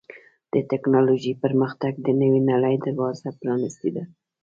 د ټکنالوجۍ پرمختګ د نوې نړۍ دروازه پرانستې ده.